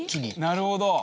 なるほど！